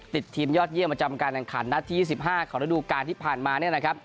ติดทีมยอดเยี่ยมประจำการแข่งขันนัดที่๒๕ของระดูการที่ผ่านมาเนี่ยนะครับ